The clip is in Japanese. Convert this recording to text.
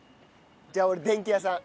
じゃあ俺電器屋さん。